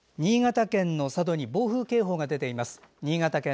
新潟県の佐渡に暴風警報が出ています。